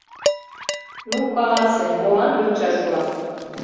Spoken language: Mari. Ну, каласе, молан лӱдшаш улам?